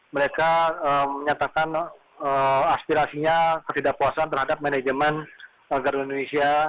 mereka menyatakan aspirasinya ketidakpuasan terhadap manajemen garuda indonesia